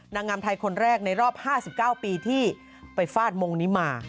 นางงามไทยคนแรกในรอบ๕๙ปีที่ไปฟาดมงนี้มา